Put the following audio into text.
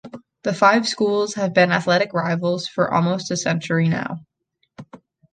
The five schools have been athletic rivals for almost a century now.